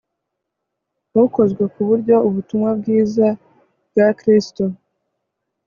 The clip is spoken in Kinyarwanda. ukozwe ku buryo Ubutumwa bwiza bwa Kristo